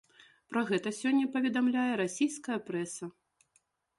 Пра гэта сёння паведамляе расійская прэса.